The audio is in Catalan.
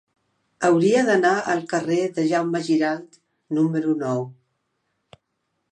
Hauria d'anar al carrer de Jaume Giralt número nou.